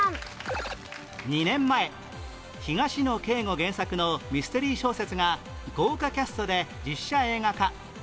原作のミステリー小説が豪華キャストで実写映画化